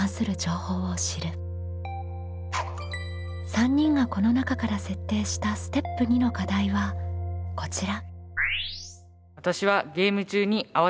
３人がこの中から設定したステップ２の課題はこちら。